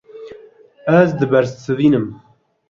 Ez dibersivînim.